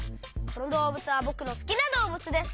このどうぶつはぼくのすきなどうぶつです。